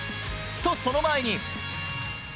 と、その前に。